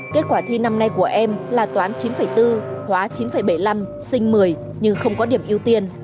kết quả thi năm nay của em là toán chín bốn khóa chín bảy mươi năm sinh một mươi nhưng không có điểm ưu tiên